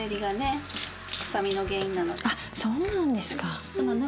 あっそうなんですか。